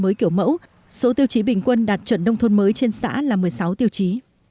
mới kiểu mẫu số tiêu chí bình quân đạt chuẩn nông thôn mới trên xã là một mươi sáu tiêu chí